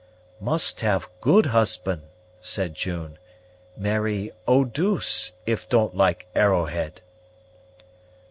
"Must have good husband," said June; "marry Eau douce, if don't like Arrowhead."